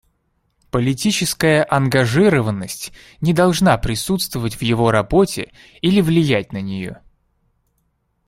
Политическая ангажированность не должна присутствовать в его работе или влиять на нее.